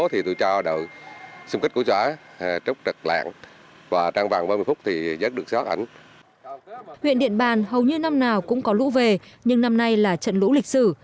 huyện điện bàn hầu như năm nào cũng có lũ về nhưng năm nay là trận lũ lịch sử